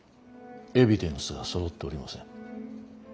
エビデンスがそろっておりません。